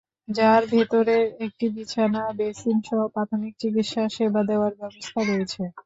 যার ভেতরে একটি বিছানা, বেসিনসহ প্রাথমিক চিকিৎসা সেবা দেওয়ার ব্যবস্থা রয়েছে।